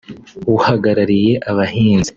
uhagarariye abahinzi